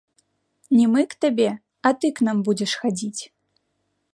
Не мы к табе, а ты к нам будзеш хадзіць.